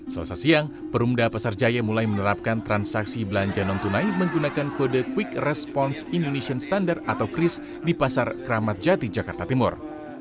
selesai siang perumda pasar jaya mulai menerapkan transaksi belanja non tunai menggunakan kode quick response indonesian standard atau kris di pasar kramat jati jakarta timur